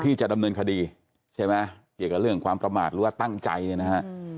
ที่จะดำเนินคดีใช่ไหมเกี่ยวกับเรื่องความประมาทหรือว่าตั้งใจเนี่ยนะฮะ